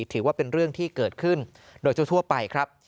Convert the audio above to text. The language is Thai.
ถือว่าเป็นเรื่องที่เกิดขึ้นโดยทั่วไปครับ